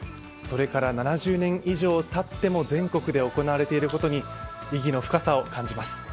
それから７０年以上たっても全国で行われていることに意義を感じます。